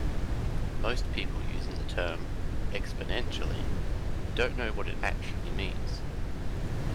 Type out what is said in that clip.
Most people using the term "exponentially" don't know what it actually means.